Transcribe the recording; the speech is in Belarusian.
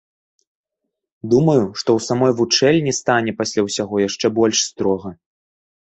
Думаю, што ў самой вучэльні стане пасля ўсяго яшчэ больш строга.